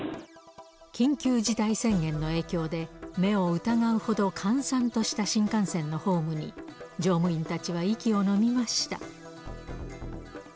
緊急事態宣言の影響で、目を疑うほど閑散とした新幹線のホームに、乗務員たちは息を飲みました。